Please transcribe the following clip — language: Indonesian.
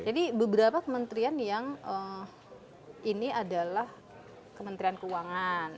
jadi beberapa kementerian yang ini adalah kementerian keuangan